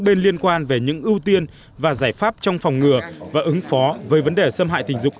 bên liên quan về những ưu tiên và giải pháp trong phòng ngừa và ứng phó với vấn đề xâm hại tình dục